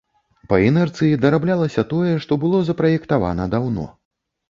Па інерцыі дараблялася тое, што было запраектавана даўно.